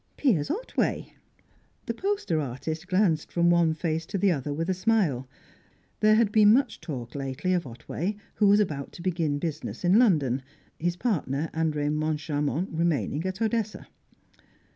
"Piers Otway." The poster artist glanced from one face to the other, with a smile. There had been much talk lately of Otway, who was about to begin business in London; his partner, Andre Moncharmont, remaining at Odessa.